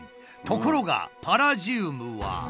ところがパラジウムは。